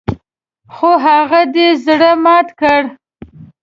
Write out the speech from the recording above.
خو هغه دې زړه مات کړي .